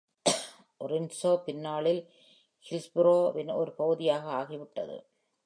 Orenco பின்னாளில் Hillsboro-வின்ஒரு பகுதியாக ஆகிவிட்டது.